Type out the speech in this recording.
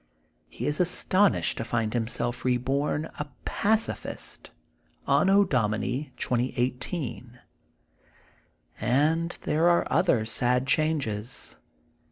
He is astonished to find himself reborn a pacifist. Anno Domini, 2018. And there are other sad changes.